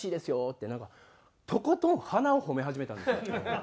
ってなんかとことん鼻を褒め始めたんですよ。